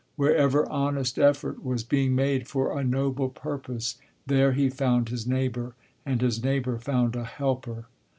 Wherever honest effort was being made for a noble purpose, there he found his neighbor, and his neighbor found a helper.